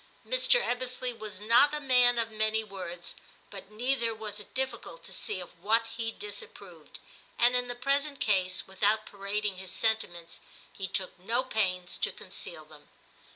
Mr. Ebbesley was not a man of many words ; but neither was it difficult to see of what he disapproved, and in the present case, without parading his sentiments, he took no pains to conceal them.